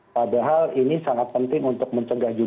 padahal ini sangat penting untuk mencegah juga